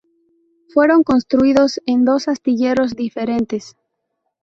Fueron construidos en dos astilleros diferentes.